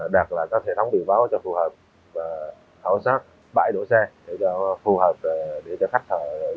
đặt lại các hệ thống biểu báo cho phù hợp khảo sát bãi đổ xe để cho khách đi thăm quan